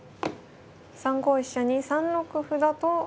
３五飛車に３六歩だと。